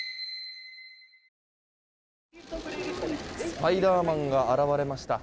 スパイダーマンが現れました。